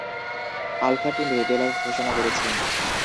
Alpha team red alert ঘোষণা করছে।